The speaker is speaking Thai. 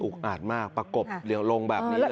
อุ๊กอาดมากประกบเหลวงแบบนี้